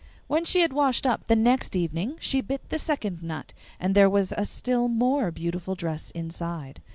When she had washed up the next evening she bit the second nut, and there was a still more beautiful dress inside.